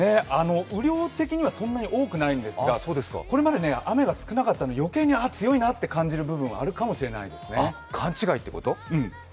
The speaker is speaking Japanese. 雨量的にはそんなに多くないんですが、これまで雨が少なかったので余計に強いなって感じる部分はあるかもしれないですね。